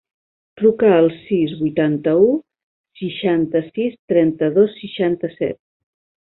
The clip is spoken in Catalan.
Truca al sis, vuitanta-u, seixanta-sis, trenta-dos, seixanta-set.